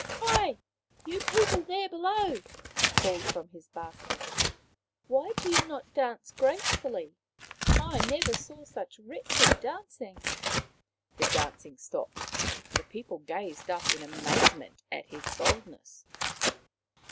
" Hi ! you people there below/' he called from his basket. " Why do you not dance gracefully ? I never saw such wretched dancing !" The dancing stopped. The people gazed up in amazement at his boldness.